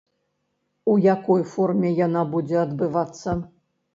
У якой форме яна будзе адбывацца?